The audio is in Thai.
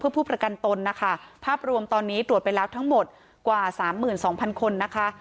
เพื่อผู้ประกันตนนะฮะภาพรวมตอนนี้ตรวจไปแล้วทั้งหมดกว่า๓๒๐๐๐คนนะฮะ